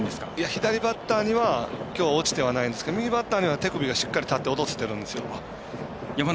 左バッターにはきょうは落ちてはないんですけど右バッターには手首がしっかり立って落とせてるんですよ。